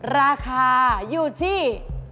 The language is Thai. ราคาอยู่ที่